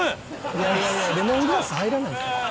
いやいやいやレモングラス入らない。